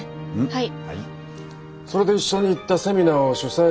はい。